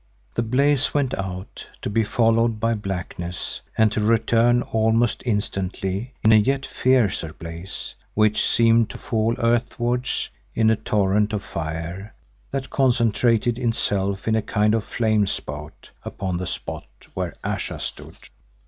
The blaze went out, to be followed by blackness, and to return almost instantly in a yet fiercer blaze which seemed to fall earthwards in a torrent of fire that concentrated itself in a kind of flame spout upon the spot where Ayesha stood.